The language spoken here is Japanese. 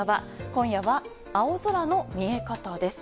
今夜は青空の見え方です。